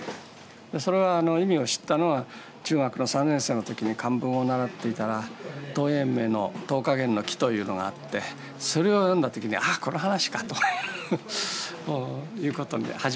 それはあの意味を知ったのは中学の３年生の時に漢文を習っていたら陶淵明の「桃花源記」というのがあってそれを読んだ時に「ああこの話か」ということで初めて知ったんです。